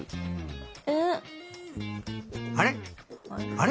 あれ？